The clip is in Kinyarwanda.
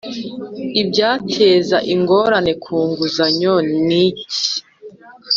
Ibyateza ingorane ku nguzanyo ni ki